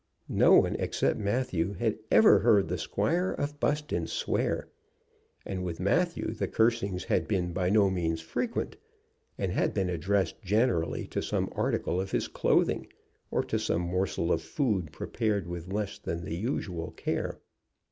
No one except Matthew had ever heard the Squire of Buston swear. And with Matthew the cursings had been by no means frequent, and had been addressed generally to some article of his clothing, or to some morsel of food prepared with less than the usual care.